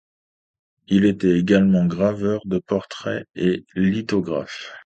Il était également graveur de portrait et lithographe.